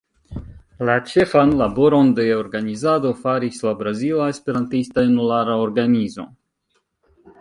La ĉefan laboron de organizado faris la Brazila Esperantista Junulara Organizo.